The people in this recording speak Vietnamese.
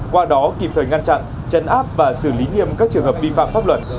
qua đó kịp thời ngăn chặn chấn áp và xử lý nghiêm các trường hợp vi phạm pháp luật